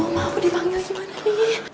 mau dipanggil gimana nih